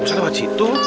masalah apaan sih itu